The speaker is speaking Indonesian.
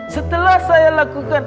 setelah saya lakukan